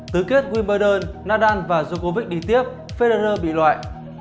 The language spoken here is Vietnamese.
tứ kết wimbledon nadal và djokovic đi tiếp federer bị loại